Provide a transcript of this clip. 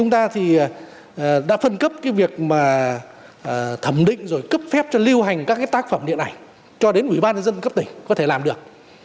thẩm định rồi cấp phép cho lưu hành các tác phẩm điện ảnh cho đến ủy ban dân cấp tỉnh có thể làm được